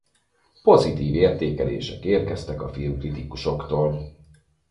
Pozitív értékelések érkeztek a filmkritikusoktól.